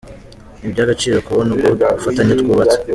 Ni iby’agaciro kubona ubwo bufatanye twubatse.